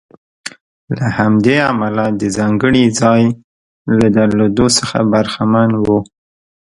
له همدې امله د ځانګړي ځای له درلودلو څخه برخمن و.